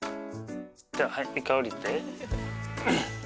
じゃあはい一回下りて。